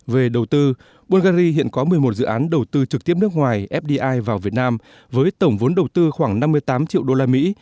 về đầu tư bungary hiện có một mươi một dự án đầu tư trực tiếp nước ngoài fdi vào việt nam với tổng vốn đầu tư khoảng năm mươi tám triệu đô la mỹ